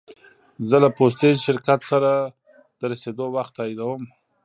زه له پوستي شرکت سره د رسېدو وخت تاییدوم.